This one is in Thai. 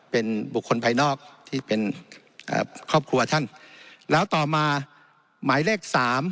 เป็นบุคคลภายนอกที่เป็นครอบครัวท่านแล้วต่อมาหมายเลขสาม